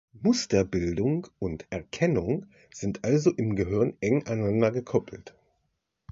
Musterbildung und -erkennung sind also im Gehirn eng aneinander gekoppelt.